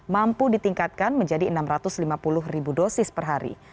mampu ditingkatkan menjadi enam ratus lima puluh ribu dosis per hari